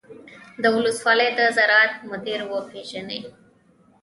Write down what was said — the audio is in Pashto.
د ولسوالۍ د زراعت مدیر پیژنئ؟